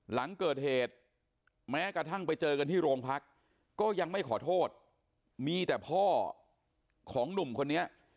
หลังเกิดเหตุแม้กระทั่งไปเจอกันที่โรงพักก็ยังไม่ขอโทษมีแต่พ่อของหนุ่มคนนี้